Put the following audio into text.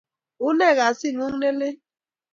Une kasit ng'uung' ne lel?